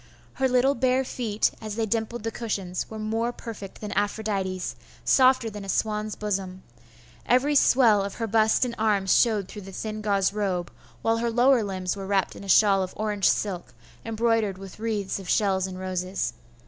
Her little bare feet, as they dimpled the cushions, were more perfect than Aphrodite's, softer than a swan's bosom. Every swell of her bust and arms showed through the thin gauze robe, while her lower limbs were wrapped in a shawl of orange silk, embroidered with wreaths of shells and roses.